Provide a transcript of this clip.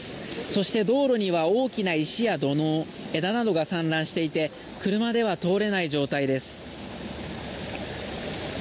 そして道路には大きな石や土のう枝などが散乱していて車では通れない状態です。